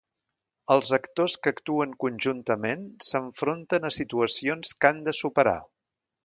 Els actors que actuen conjuntament s'enfronten a situacions que han de superar.